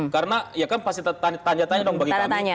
karena ya kan pasti tanya tanya dong bagi kami